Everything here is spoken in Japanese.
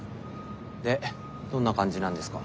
でどんな感じなんですか？